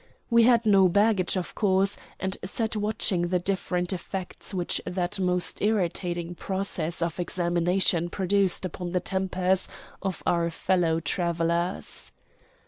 We had no baggage, of course, and sat watching the different effects which that most irritating process of examination produced upon the tempers of our fellow travellers.